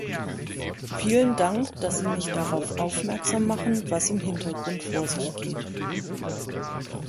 Vielen Dank, dass Sie mich darauf aufmerksam machen, was im Hintergrund vor sich geht.